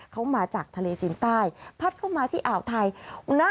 เขามาจากทะเลจีนใต้พัดเข้ามาที่อ่าวไทย